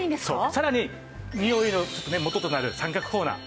さらにニオイの元となる三角コーナー。